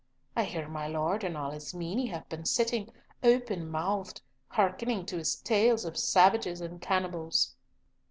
I hear my Lord and all his meine have been sitting, open mouthed, hearkening to his tales of savages and cannibals."